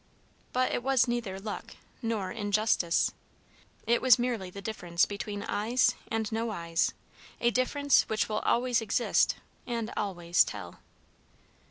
But it was neither "luck" nor "injustice." It was merely the difference between "eyes and no eyes," a difference which will always exist and always tell.